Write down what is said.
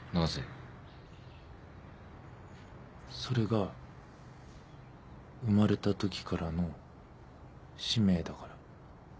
それが生まれたときからの使命だから。